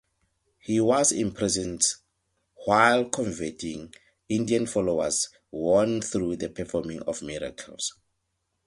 He was imprisoned while converting Indian followers won through the performing of miracles.